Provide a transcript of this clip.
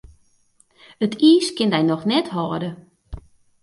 It iis kin dy noch net hâlde.